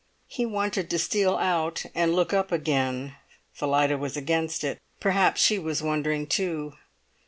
He wanted to steal out and look up again. Phillida was against it; perhaps she was wondering too.